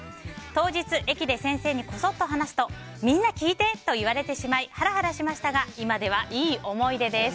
当日、駅で先生にこそっと話すとみんな聞いて！と言われてしまいハラハラしましたが今ではいい思い出です。